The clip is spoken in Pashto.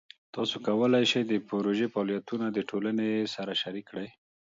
تاسو کولی شئ د پروژې فعالیتونه د ټولنې سره شریک کړئ.